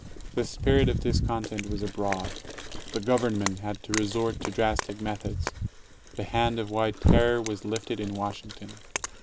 The spirit of discontent was abroad. The Government had to resort to drastic methods: the hand of white terror was lifted in Washington.